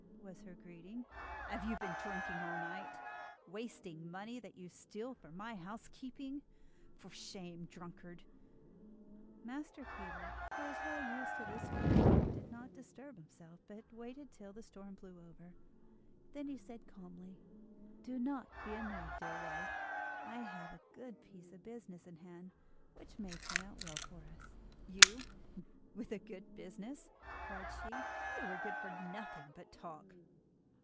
was her greeting, "have you been drinking all night, wasting money that you steal from my housekeeping? For shame, drunkard!" Master Peter, who was well used to this sort of talk, did not disturb himself, but waited till the storm blew over, then he said calmly: "Do not be annoyed, dear wife. I have a good piece of business in hand which may turn out well for us." "You with a good business?" cried she, "you are good for nothing but talk!"